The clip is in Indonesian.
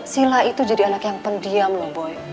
sila itu jadi anak yang pendiam loh boy